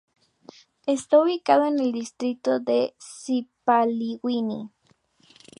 Está ubicada en el Distrito de Sipaliwini.